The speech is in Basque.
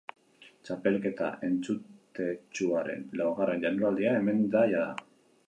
Txapelketa entzutetsuaren laugarren jardunaldia hemen da jada.